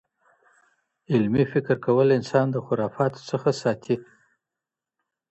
علمي فکر کول انسان د خرافاتو څخه ساتي.